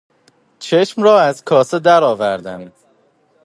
چشم را از کاسه در آوردن